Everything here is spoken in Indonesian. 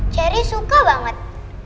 ceri suka banget